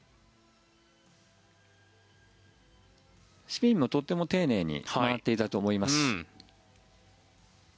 スピンもとっても丁寧に回っていたと思います。